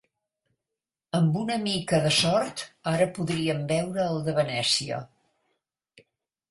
Amb una mica de sort, ara podríem veure el de Venècia.